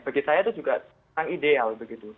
bagi saya itu juga yang ideal begitu